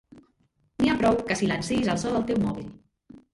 N'hi ha prou que silenciïs el so del teu mòbil.